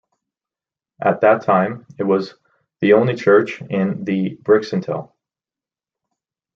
At that time, it was the only church in the Brixental.